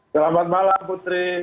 selamat malam putri